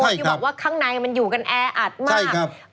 ที่บอกว่าข้างในมันอยู่กันแออัดมาก